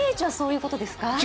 ＬＤＨはそういうことですか？